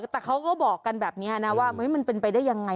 แต่เขาก็บอกกันแบบนี้นะว่ามันเป็นไปได้ยังไง